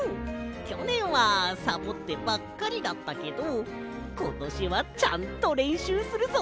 きょねんはサボってばっかりだったけどことしはちゃんとれんしゅうするぞ！